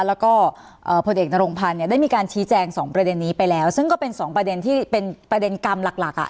แล้วก็ผลเอกนรงพันธ์เนี่ยได้มีการชี้แจงสองประเด็นนี้ไปแล้วซึ่งก็เป็นสองประเด็นที่เป็นประเด็นกรรมหลักหลักอ่ะ